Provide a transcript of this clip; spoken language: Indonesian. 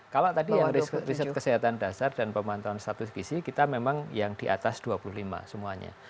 kalau tadi yang riset kesehatan dasar dan pemantauan status gizi kita memang yang di atas dua puluh lima semuanya